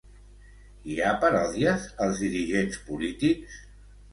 Hi ha paròdies als dirigents polítics?